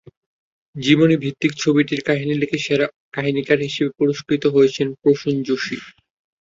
জীবনীভিত্তিক ছবিটির কাহিনি লিখে সেরা কাহিনিকার হিসেবে পুরস্কৃত হয়েছেন প্রসূন যোশি।